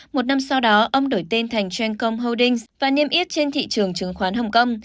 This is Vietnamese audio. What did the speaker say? một năm sau đó ông đổi tên thành gencom holdings và niêm yết trên thị trường trứng khoán hồng kông